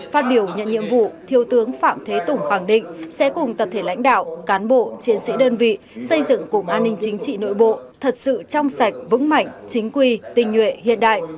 phát biểu nhận nhiệm vụ thiếu tướng phạm thế tùng khẳng định sẽ cùng tập thể lãnh đạo cán bộ chiến sĩ đơn vị xây dựng cục an ninh chính trị nội bộ thật sự trong sạch vững mạnh chính quy tình nhuệ hiện đại